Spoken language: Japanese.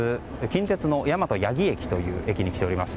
近鉄の大和八木駅という駅に来ております。